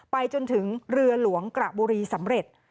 ไปจนถึงเรือหลวงกระบุรีสำเร็จ